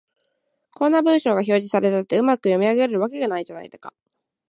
こんな文章が表示されたって、うまく読み上げられるわけがないじゃないか